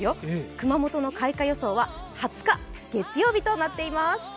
熊本の開花予想は２０日月曜日となっています。